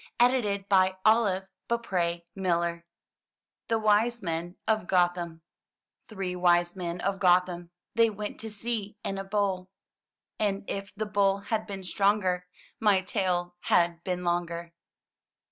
8i M Y BOOK HOUSE THE WISE MEN OF GOTHAM Three wise men of Gothaniy They went to sea in a bowl. And if the bowl had been stronger. My tale had been longer.